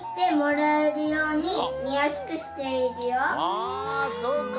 あそっか。